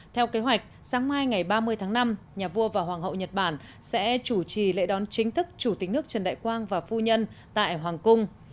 theo kế hoạch sáng mai ngày ba mươi tháng năm nhà vua và hoàng hậu nhật bản sẽ chủ trì lễ đón chính thức chủ tịch nước trần đại quang và phu nhân tại hoàng cung